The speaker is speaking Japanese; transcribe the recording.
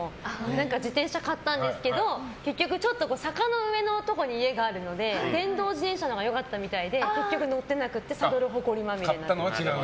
何か自転車買ったんですけど坂の上のところに家があるので電動自転車のほうが良かったみたいで結局、乗ってなくてサドルがほこりまみれになってる。